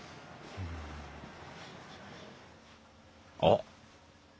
あっ。